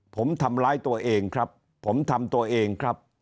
ผมทำร้ายตัวเองครับผมทำตัวเองครับ